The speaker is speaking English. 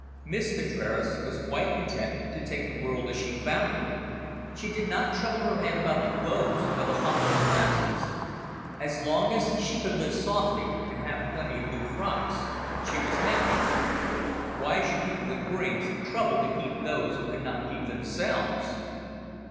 Miss Contraras was quite content to take the world as she found it. She did not trouble her head about the woes of the humbler classes. As long as she could live softly and have plenty of new frocks, she was happy. Why should people with brains trouble to keep those who could not keep themselves?